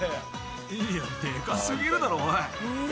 いやでかすぎるだろ、おい！